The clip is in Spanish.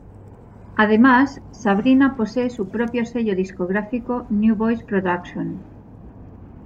Además, Sabrina posee su propio sello discográfico "New Boys Production".